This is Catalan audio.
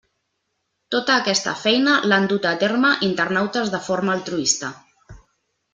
Tota aquesta feina l'han duta a terme internautes de forma altruista.